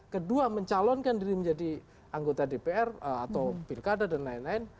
kedua mencalonkan diri menjadi anggota dpr atau pilkada dan lain lain